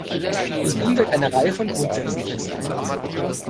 In ihm wird eine Reihe von Grundsätzen festgelegt.